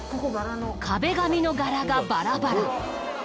壁紙の柄がバラバラ。